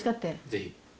ぜひ。